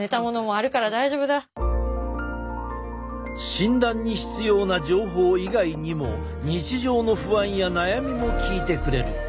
診断に必要な情報以外にも日常の不安や悩みも聞いてくれる。